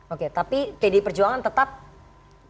oke tapi pdi perjuangan tetap mendukung